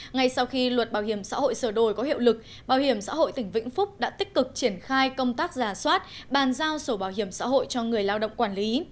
ngay sau khi luật bảo hiểm xã hội sửa đổi có hiệu lực bảo hiểm xã hội tỉnh vĩnh phúc đã tích cực triển khai công tác giả soát bàn giao sổ bảo hiểm xã hội cho người lao động quản lý